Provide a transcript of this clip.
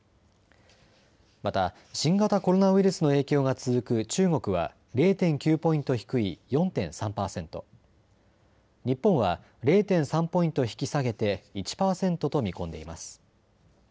また新型コロナウイルスの影響が続く中国は０．９ポイント低い４．３％、日本は０．３ポイント引き下げて１％と見込んでいます。